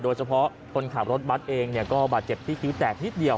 โดยเฉพาะคนขับรถบัตรเองก็บาดเจ็บที่คิ้วแตกนิดเดียว